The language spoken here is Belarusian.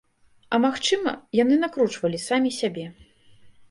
А магчыма, яны накручвалі самі сябе.